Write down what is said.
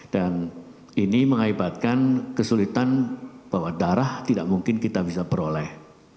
dan ini mengaibatkan kesulitan bahwa darah tidak mungkin kita bisa beroleh